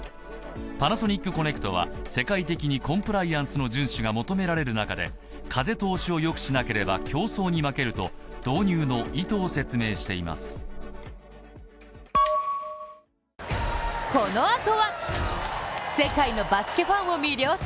パナソニックコネクトは世界的にコンプライアンスの順守が求められる中、風通しをよくしなければ競争に負けると導入の意図を説明しています。